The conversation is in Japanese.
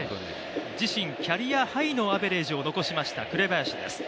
自身キャリアハイのアベレージを残しました、紅林です。